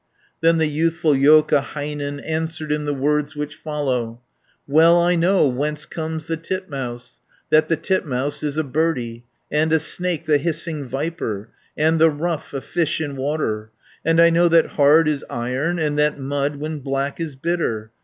Then the youthful Joukahainen Answered in the words which follow: 190 "Well I know whence comes the titmouse, That the titmouse is a birdie, And a snake the hissing viper, And the ruffe a fish in water. And I know that hard is iron, And that mud when black is bitter.